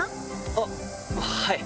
あっはい。